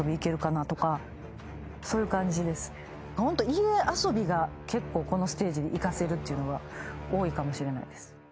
家遊びが結構このステージに生かせるっていうのが多いかもしれないです。